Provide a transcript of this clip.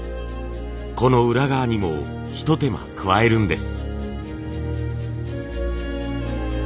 この裏側にもひと手間加えるんです。